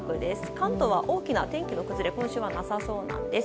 関東は大きな天気の崩れは今週はなさそうです。